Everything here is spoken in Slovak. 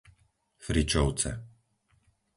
Fričovce